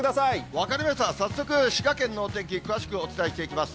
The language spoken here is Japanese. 分かりました、早速、滋賀県のお天気、詳しくお伝えしていきます。